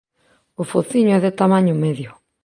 O fociño é de tamaño medio.